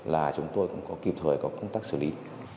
là chúng tôi cũng có kịp thời có công tác xử lý